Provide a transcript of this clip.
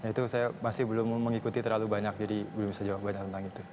itu saya masih belum mengikuti terlalu banyak jadi belum bisa jawab banyak tentang itu